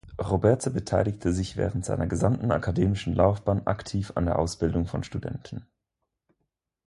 Robbertse beteiligte sich während seiner gesamten akademischen Laufbahn aktiv an der Ausbildung von Studenten.